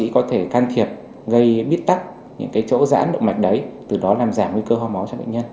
can thiệp gây bít tắt những cái chỗ giãn động mạch đấy từ đó làm giảm nguy cơ ho máu cho bệnh nhân